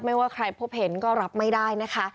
ว่าใครพบเห็นก็รับไม่ได้นะคะ